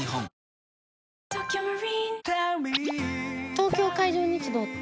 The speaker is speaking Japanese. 東京海上日動って？